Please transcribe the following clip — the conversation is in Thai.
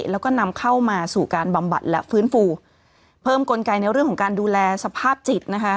แล้วก็นำเข้ามาสู่การบำบัดและฟื้นฟูเพิ่มกลไกในเรื่องของการดูแลสภาพจิตนะคะ